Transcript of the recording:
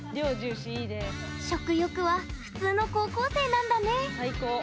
食欲は普通の高校生なんだね。